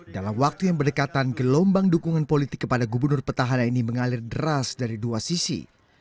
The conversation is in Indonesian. dalam waktu yang berdekatan gelombang dukungan politik kepada gubernur petahana ini mengalir deras dari dua sisi